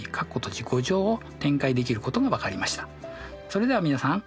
それでは皆さん。